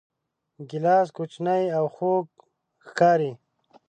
ګیلاس کوچنی او خوږ ښکاري.